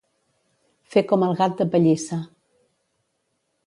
Fer com el gat de pallissa.